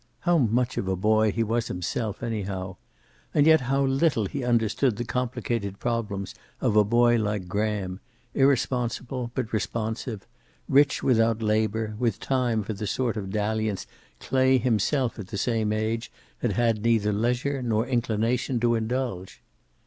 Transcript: How much of a boy he was himself, anyhow! And yet how little he understood the complicated problems of a boy like Graham, irresponsible but responsive, rich without labor, with time for the sort of dalliance Clay himself at the same age had had neither leisure nor inclination to indulge.